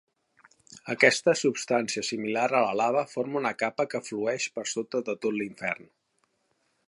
Aquesta substància similar a la lava forma una capa que flueix per sota de tot l'Infern.